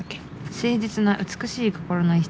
誠実な美しい心の人。